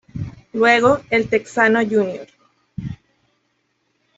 Luego El Texano Jr.